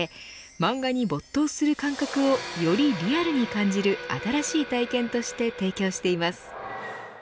漫画に没頭する感覚をよりリアルに感じる新しい体験として提供しています。